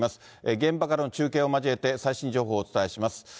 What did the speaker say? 現場からの中継を交えて最新情報をお伝えします。